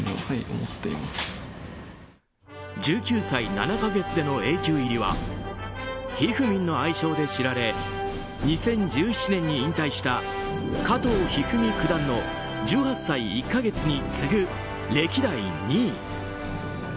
１９歳７か月でのＡ級入りはひふみんの愛称で知られ２０１７年に引退した加藤一二三九段の１８歳１か月に次ぐ歴代２位。